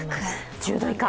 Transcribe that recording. １０度以下。